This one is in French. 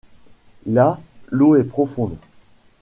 Là, l’eau est profonde.